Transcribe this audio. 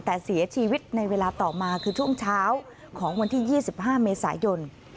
แต่เสียชีวิตในเวลาต่อมาคือช่วงเช้าของวันที่๒๕เมษายน